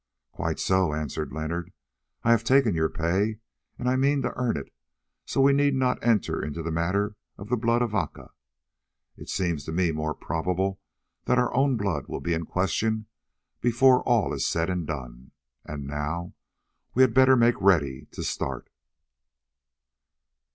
"Quite so," answered Leonard; "I have taken your pay and I mean to earn it, so we need not enter into the matter of the blood of Aca. It seems to me more probable that our own blood will be in question before all is said and done. And now we had better make ready to start."